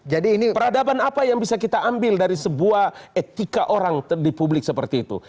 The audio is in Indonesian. jadi ini peradaban apa yang bisa kita ambil dari sebuah etika orang di publik seperti itu